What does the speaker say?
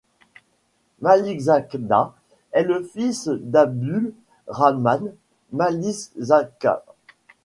Malikzada est le fils d'Abdul Rahman Malikzada.